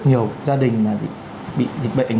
nhiều gia đình là bị dịch bệnh ảnh